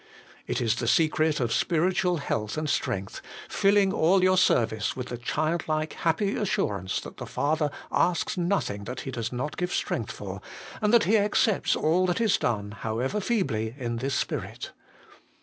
It is the secret of spiritual health and strength, filling all your service with the childlike happy assurance that the Father asks nothing that He does not give strength for, and that He accepts all that is done, however feebly, in this spirit.